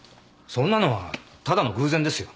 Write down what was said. そんなのはただの偶然ですよ。